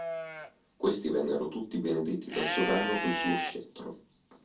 Questi vennero tutti benedetti dal sovrano col suo scettro.